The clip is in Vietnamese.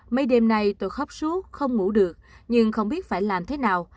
mấy đêm nay tôi khóp suốt không ngủ được nhưng không biết phải làm thế nào